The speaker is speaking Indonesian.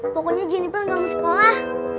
pokoknya jeniper gak mau sekolah